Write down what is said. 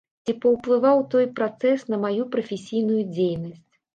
Ці паўплываў той працэс на маю прафесійную дзейнасць?